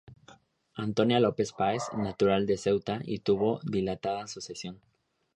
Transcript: Antonia López Páez, natural de Ceuta, y tuvo dilatada sucesión.